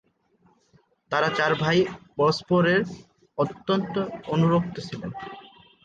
তারা চার ভাই পরস্পরের অত্যন্ত অনুরক্ত ছিলেন।